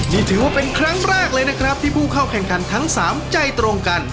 นี่ถือว่าเป็นครั้งแรกเลยนะครับที่ผู้เข้าแข่งขันทั้ง๓ใจตรงกัน